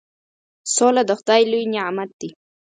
سوله د خدای لوی نعمت دی.